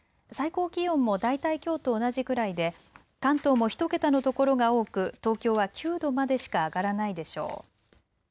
最高気温も大体きょうと同じくらいで、関東も１桁のところが多く東京は９度までしか上がらないでしょう。